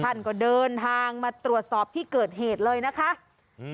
ท่านก็เดินทางมาตรวจสอบที่เกิดเหตุเลยนะคะอืม